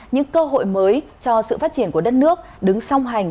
những cơ hội mới cho sự phát triển của đất nước đứng song hành